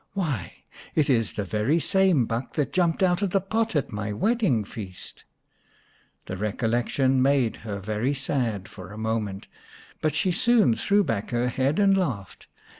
" Why, it is the very same buck that jumped out of the pot at my wedding feast !" The recollection made her very sad for a moment, but she soon threw back her head and laughed.